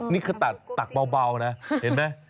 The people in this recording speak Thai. นี่คือตักเบานะเห็นไหม